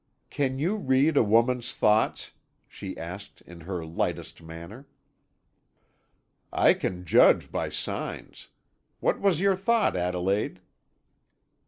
"Can you read a woman's thoughts?" she asked in her lightest manner. "I can judge by signs. What was your thought, Adelaide?"